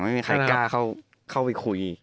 ไม่มีใครกล้าเข้าไปคุย